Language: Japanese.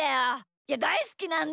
いやだいすきなんだけどさ。